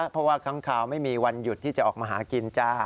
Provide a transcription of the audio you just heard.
เพราะว่าค้างคาวไม่มีวันหยุดที่จะออกมาหากินจ้า